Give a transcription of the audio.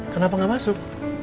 kenapa gak masuk